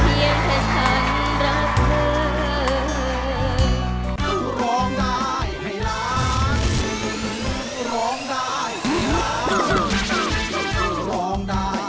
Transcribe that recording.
ร้องได้ให้ร้าง